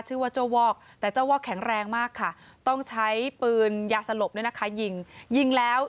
ชื่อว่าเจ้าวอกแต่เจ้าวอกแข็งแรงมากค่ะต้องใช้ปืนยาสลบเนี่ยนะคะยิงยิงแล้ว